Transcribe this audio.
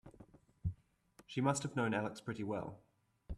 She must have known Alex pretty well.